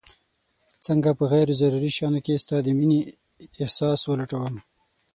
څنګه په غير ضروري شيانو کي ستا د مينې احساس ولټوم